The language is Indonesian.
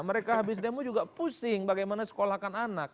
mereka habis demo juga pusing bagaimana sekolahkan anak